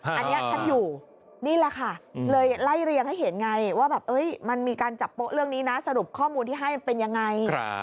อันนี้ท่านอยู่นี่แหละค่ะเลยไล่เรียงให้เห็นไงว่าแบบมันมีการจับโป๊ะเรื่องนี้นะสรุปข้อมูลที่ให้เป็นยังไง